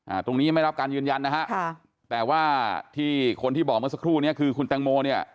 ตรงนี้ยังไม่รับการยืนยันนะฮะค่ะแต่ว่าที่คนที่บอกเมื่อสักครู่เนี้ยคือคุณแตงโมเนี่ย